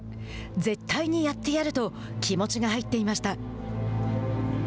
絶対にやってやると気持ちが入っていました。